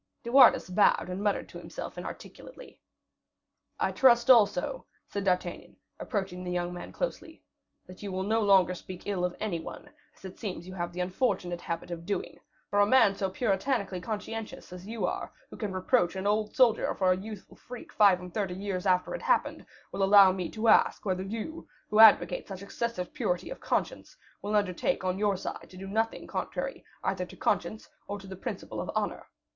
De Wardes bowed, and muttered to himself inarticulately. "I trust also," said D'Artagnan, approaching the young man closely, "that you will no longer speak ill of any one, as it seems you have the unfortunate habit of doing; for a man so puritanically conscientious as you are, who can reproach an old soldier for a youthful freak five and thirty years after it happened, will allow me to ask whether you, who advocate such excessive purity of conscience, will undertake on your side to do nothing contrary either to conscience or the principle of honor.